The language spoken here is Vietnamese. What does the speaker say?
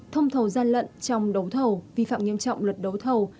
thông thầu gian lận trong đấu thầu vi phạm nghiêm trọng luật đấu thầu